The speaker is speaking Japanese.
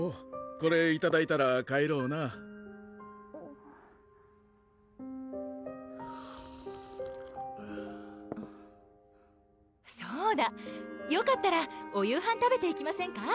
これいただいたら帰ろうなそうだよかったらお夕飯食べていきませんか？